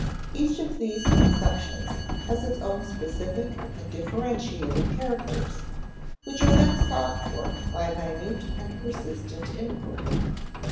Each of these conceptions has its own specific and differentiating characters, which are then sought for by minute and persistent inquiry.